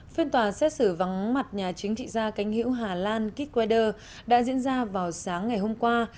phiên tòa xét xử vắng mặt nhà chính trị gia cánh hữu hà lan kitwaider đã diễn ra vào sáng ngày hôm qua